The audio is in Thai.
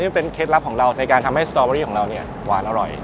เป็นเคล็ดลับของเราในการทำให้สตอเบอรี่ของเราเนี่ยหวานอร่อย